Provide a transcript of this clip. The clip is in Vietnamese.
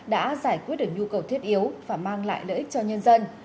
đã giải quyết được nhu cầu thiết yếu và mang lại lợi ích cho nhân dân